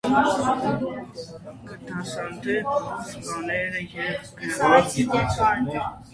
Կը դասաւանդէ սպաներէն եւ գրականութիւն։